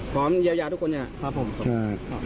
พร้อมเยียวยาทุกคน